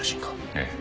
ええ。